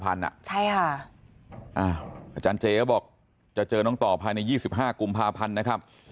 อาจารย์เจก็บอกจะเจอน้องต่อภายใน๒๕กุมภาพันธ์นะครับ